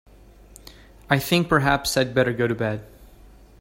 I think perhaps I'd better go to bed.